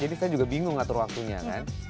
jadi saya juga bingung atur waktunya kan